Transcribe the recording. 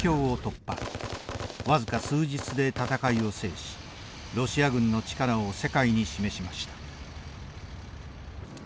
わずか数日で戦いを制しロシア軍の力を世界に示しました。